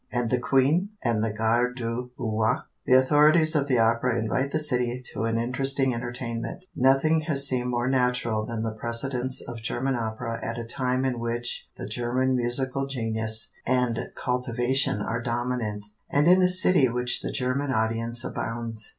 And the Queen? And the garde du roi? The authorities of the opera invite the city to an interesting entertainment. Nothing has seemed more natural than the precedence of German opera at a time in which the German musical genius and cultivation are dominant, and in a city in which the German audience abounds.